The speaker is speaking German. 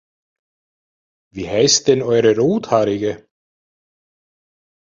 Wie heißt denn eure Rothaarige?